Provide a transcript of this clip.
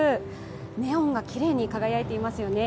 ネオンがきれいに輝いていますよね。